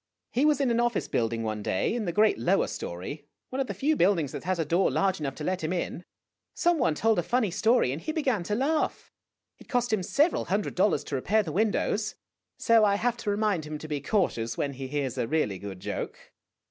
He was in an office building one day in the great lower story, one of the few buildings that has a door large enough to let him in. Some one told a funny story, and he began to laugh. It cost him several hundred dollars to repair the windows. So I have to remind him to be cautious when he hears a really good joke."